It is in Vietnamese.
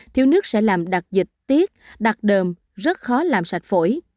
thiếu nước sẽ làm đặc dịch tiết đặc đờm rất khó làm sạch phổi